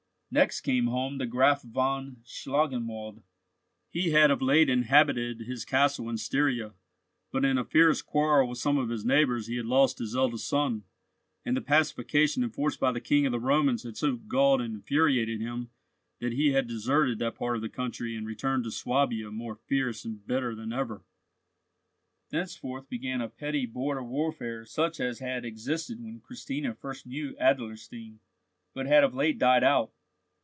Next came home the Graf von Schlangenwald. He had of late inhabited his castle in Styria, but in a fierce quarrel with some of his neighbours he had lost his eldest son, and the pacification enforced by the King of the Romans had so galled and infuriated him that he had deserted that part of the country and returned to Swabia more fierce and bitter than ever. Thenceforth began a petty border warfare such as had existed when Christina first knew Adlerstein, but had of late died out.